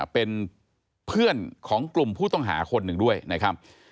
เป็นเพื่อนของกลุ่มผู้ต้องหาคนหนึ่งด้วยนะครับ